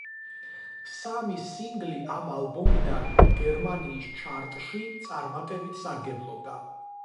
სამი სინგლი ამ ალბომიდან გერმანიის ჩარტში წარმატებით სარგებლობდა.